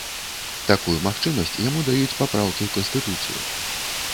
Такую магчымасць яму даюць папраўкі ў канстытуцыю.